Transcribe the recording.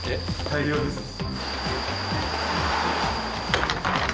大量ですね。